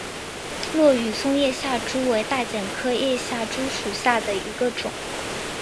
落羽松叶下珠为大戟科叶下珠属下的一个种。